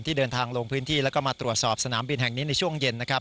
เดินทางลงพื้นที่แล้วก็มาตรวจสอบสนามบินแห่งนี้ในช่วงเย็นนะครับ